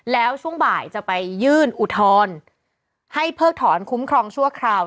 แล้วช่วงบ่ายจะไปยื่นอุทธรณ์ให้เพิกถอนคุ้มครองชั่วคราว